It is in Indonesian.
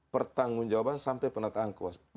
bertanggung jawaban sampai penataan